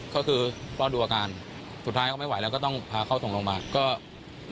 ก็คือรอดูอาการสุดท้ายเขาไม่ไหวแล้วก็ต้องพาเขาส่งโรงพยาบาลก็